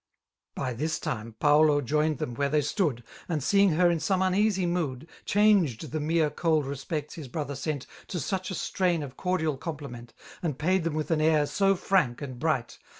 ««<*•• 99 By this time Fauto joined them wbere they stood^ And> seeing her in some uneasy mood^ Changed the mere cold respects Ms hrother sent To such a strain of cordial oompliment» And paid them with an air so frank and bright.